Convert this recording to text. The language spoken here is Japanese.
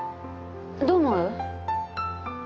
どう思う？